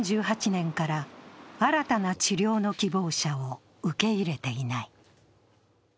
２０１８年から新たな治療の希望者を受け入れていない。